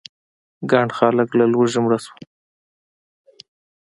ګڼ خلک له لوږې مړه شول.